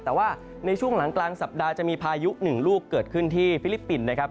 แต่ว่าในช่วงหลังกลางสัปดาห์จะมีพายุหนึ่งลูกเกิดขึ้นที่ฟิลิปปินส์นะครับ